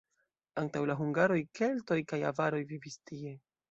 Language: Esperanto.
Antaŭ la hungaroj keltoj kaj avaroj vivis tie.